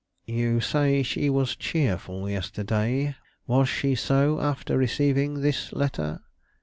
"You say she was cheerful yesterday; was she so after receiving this letter?"